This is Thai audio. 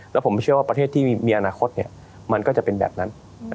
แล้วผมเชื่อว่าประเทศที่มีอนาคตมันก็จะเป็นแบบนั้น